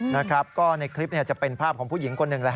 นะครับก็ในคลิปจะเป็นภาพของผู้หญิงคนหนึ่ง